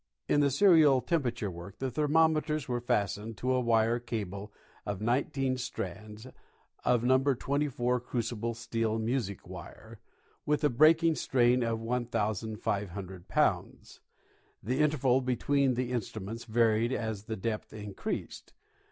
In the serial temperature work the thermometers were fastened to a wire cable of 19 strands of number 24 crucible steel music wire, with a breaking strain of 1,500 pounds. The interval be tween the instruments varied'as the depth increased.